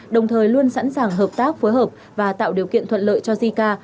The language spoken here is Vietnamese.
đồng thời luôn sẵn sàng hợp tác phối hợp và tạo điều kiện thuận lợi cho jica